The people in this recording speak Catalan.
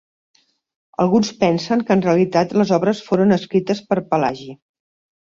Alguns pensen que en realitat les obres foren escrites per Pelagi.